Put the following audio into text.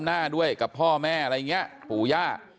หน้าด้วยกับพ่อแม่อะไรเงี้ยภูย่า